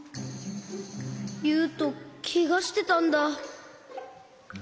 ゆうとけがしてたんだ。